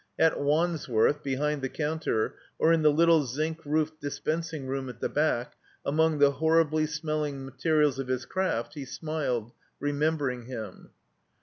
At Wandsworth, bdiind the counter, or in the little zinc roofed dispensing room at the back, among the horribly smelling materials of his craft, he smiled, remembering him.